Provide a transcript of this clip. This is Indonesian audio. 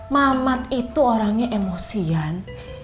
mamat itu orangnya emosian